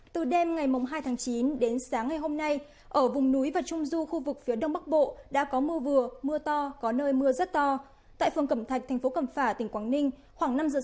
các bạn hãy đăng ký kênh để ủng hộ kênh của chúng mình nhé